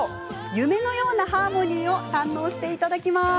夢のようなハーモニーをご堪能いただきます。